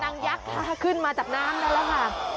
นางยักษ์ข้าขึ้นมาจับน้ำได้แล้วค่ะ